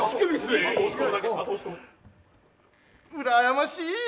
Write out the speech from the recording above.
うらやましいよ。